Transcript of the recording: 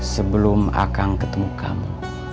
sebelum akang ketemu kamu